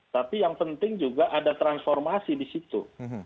tapi yang penting juga ada transformasi di situ